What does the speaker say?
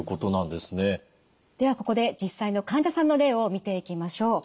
ではここで実際の患者さんの例を見ていきましょう。